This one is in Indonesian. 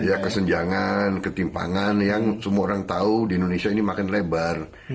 ya kesenjangan ketimpangan yang semua orang tahu di indonesia ini makin lebar